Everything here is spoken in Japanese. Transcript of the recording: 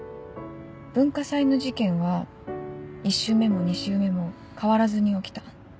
文化祭の事件は１周目も２周目も変わらずに起きた。